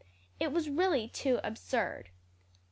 It was really too absurd."